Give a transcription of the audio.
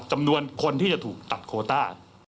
จำนวนคนที่จะถูกตัดโคต้า